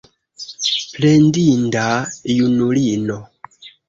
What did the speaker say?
Plendinda junulino!